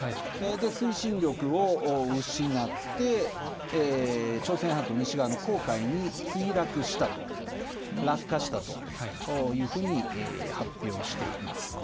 推進力を失って、朝鮮半島西側の黄海に墜落したと、落下したというふうに発表しています。